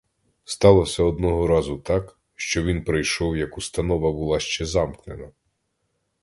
Сталося одного разу так, що він прийшов, як установа була ще замкнена.